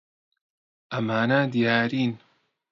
ئەمانە دیارین.